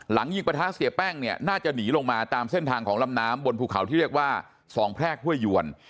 ยิงประทะเสียแป้งเนี่ยน่าจะหนีลงมาตามเส้นทางของลำน้ำบนภูเขาที่เรียกว่าสองแพรกห้วยยวน